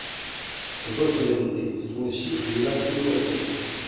C’est votre vérité ! Ce sont les chiffres de l’ACOSS.